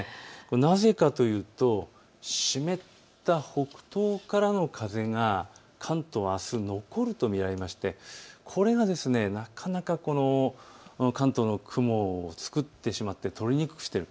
なぜかというと湿った北東からの風が関東、あす残ると見られましてこれがこの関東の雲をつくってしまって通りにくくしている。